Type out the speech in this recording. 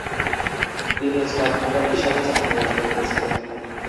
তিনি স্টকব্রোকার হিসাবে চাকরি অর্জন করেছিলেন।